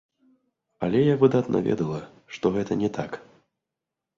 Але я выдатна ведала, што гэта не так.